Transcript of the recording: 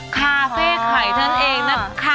คาเฟ่ไข่นั่นเองนะคะ